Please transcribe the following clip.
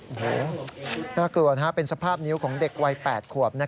โอ้โหน่ากลัวเป็นสภาพนิ้วของเด็กวัย๘ขวบ